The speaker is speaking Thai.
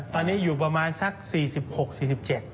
ตอนนี้อยู่ประมาณสัก๔๖๔๗ใช่ไหม